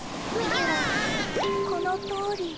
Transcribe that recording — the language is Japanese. このとおり。